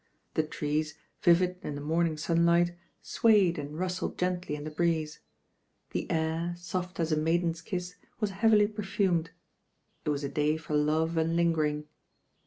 The trees, vivid in the morning sunlight, •wayed and rustled gently in the breeze; the air, •oft as a maiden's kiss, was heavily perfumed. It was a day for love and lingering.